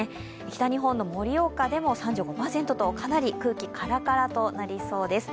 北日本の盛岡でも３２％とかなり空気、カラカラとなりそうです。